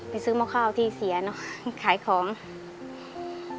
ไปซื้อเมาคาที่เสียหนู